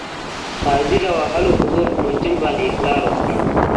قاضي د وهلو په زور په مجرم باندې اقرار وکړ.